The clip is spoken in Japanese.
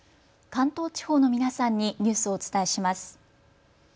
関東地方の皆さんにニュースをお伝えします。